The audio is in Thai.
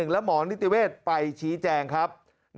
และหมอนิติเวศไปชี้แจงครับ